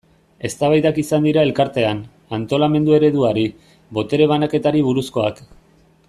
Eztabaidak izan dira Elkartean, antolamendu ereduari, botere banaketari buruzkoak.